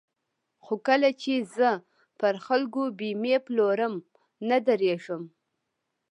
خو کله چې زه پر خلکو بېمې پلورم نه درېږم.